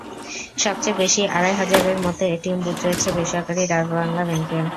সবচেয়ে বেশি আড়াই হাজারের মতো এটিএম বুথ রয়েছে বেসরকারি ডাচ্-বাংলা ব্যাংকের।